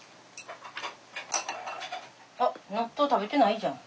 あっ納豆食べてないじゃん。